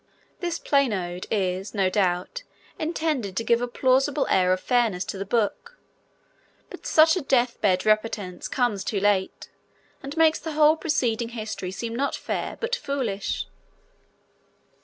This palinode is, no doubt, intended to give a plausible air of fairness to the book, but such a death bed repentance comes too late, and makes the whole preceding history seem not fair but foolish.